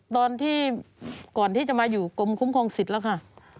ตอนที่ก่อนที่จะมาอยู่กรมคุ้มครองสิทธิ์แล้วค่ะ